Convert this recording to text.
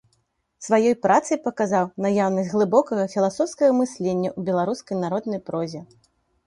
Сваёй працай паказаў наяўнасць глыбокага філасофскага мыслення ў беларускай народнай прозе.